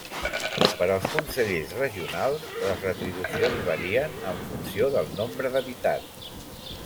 Per als consellers regionals, les retribucions varien en funció del nombre d'habitants.